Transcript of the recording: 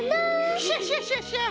クシャシャシャシャ！